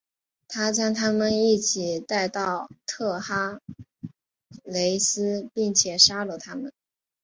他将他们一起带到特哈雷斯并且杀了他们。